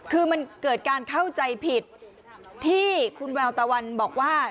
คือมันเกิดการเข้าใจผิดที่คุณแววตะวันบอกว่า